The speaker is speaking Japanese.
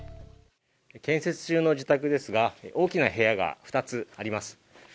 建設中の自宅ですが大きな部屋が２つあります。